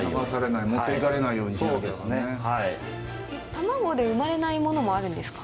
卵で生まれないものもあるんですか？